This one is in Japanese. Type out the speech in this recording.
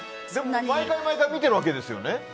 でも、毎回毎回見てるわけですよね。